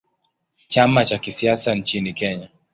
Chama cha kisiasa nchini Kenya.